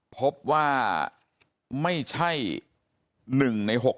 พบว่าไม่ใช่๑ใน๖ศพนะครับ